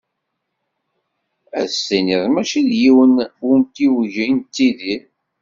Ad s-tiniḍ mačči deg yiwen wemtiweg i nettidir.